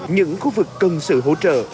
những khu vực cần sự hỗ trợ